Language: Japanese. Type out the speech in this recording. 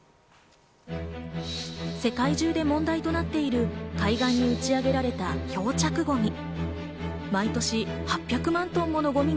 世界中で問題となっている海岸に打ち上げられた漂着ゴミ。